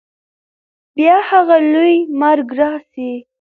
بیا هغه لوی مرګ راسي